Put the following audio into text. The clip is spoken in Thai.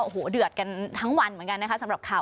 โอ้โหเดือดกันทั้งวันเหมือนกันนะคะ